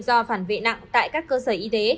do phản vệ nặng tại các cơ sở y tế